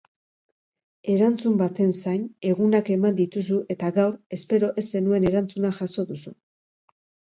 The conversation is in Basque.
Erantzun baten zain, egunak eman dituzu eta, gaur, espero ez zenuen erantzuna jaso duzu.